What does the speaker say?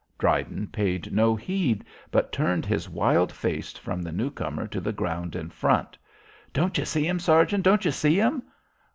Dryden paid no heed but turned his wild face from the newcomer to the ground in front. "Don't you see 'em, sergeant? Don't you see 'em?"